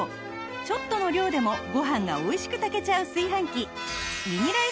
ちょっとの量でもご飯が美味しく炊けちゃう炊飯器